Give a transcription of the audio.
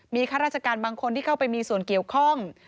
มีข้าราชการบางคนที่เข้าไปมีส่วนเกี่ยวข้อง